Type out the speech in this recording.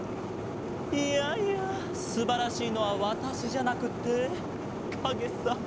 いやいやすばらしいのはわたしじゃなくてかげさ！